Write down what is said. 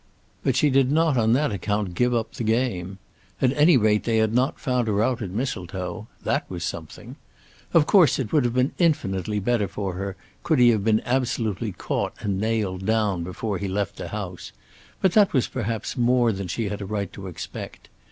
But she did not on that account give up the game. At any rate they had not found her out at Mistletoe. That was something. Of course it would have been infinitely better for her could he have been absolutely caught and nailed down before he left the house; but that was perhaps more than she had a right to expect.